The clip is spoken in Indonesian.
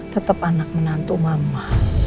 tetep anak menantu mama